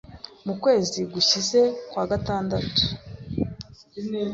Mu kwezi gushize kwa gatandatu